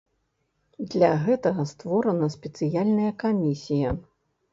Для гэтага створана спецыяльная камісія.